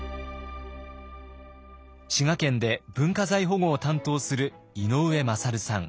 滋賀県で文化財保護を担当する井上優さん。